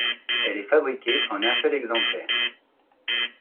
Elle est fabriquée en un seul exemplaire.